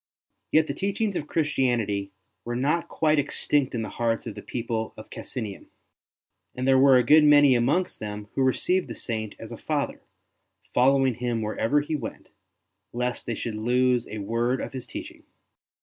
Yet the teachings of Christianity were not quite extinct in the hearts of the people of Cassinum ; and there were a good many amongst them who received the Saint as a father, following him wherever he went, lest they should lose a word of his teaching.